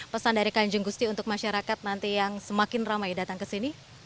pesan dari kanjeng gusti untuk masyarakat nanti yang semakin ramai datang ke sini